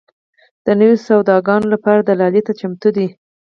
د نویو سوداګانو لپاره دلالۍ ته چمتو دي.